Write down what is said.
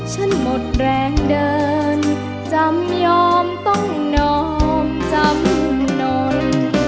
ฉันหมดแรงเดินจำยอมต้องนอมจำนวน